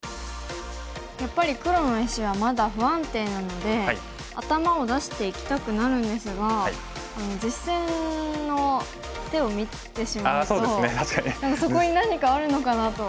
やっぱり黒の石はまだ不安定なので頭を出していきたくなるんですが実戦の手を見てしまうとそこに何かあるのかなと。